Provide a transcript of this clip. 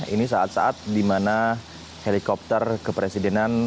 ini saat saat dimana helikopter ke presidenan